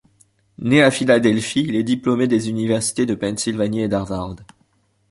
Né à Philadelphie, il est diplômé des université de Pennsylvanie et d'Harvard.